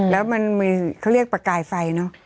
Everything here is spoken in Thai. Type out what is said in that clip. แล้วมันมีเขาเรียกประกายไฟเนอะ